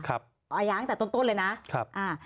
อาญาตั้งแต่ต้นเลยนะ